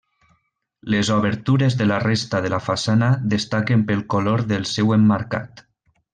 Les obertures de la resta de la façana destaquen pel color del seu emmarcat.